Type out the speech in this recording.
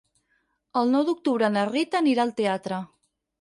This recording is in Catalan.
El nou d'octubre na Rita anirà al teatre.